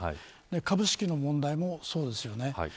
株式の問題もそうですよね。